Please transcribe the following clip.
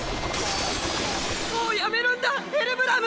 もうやめるんだヘルブラム！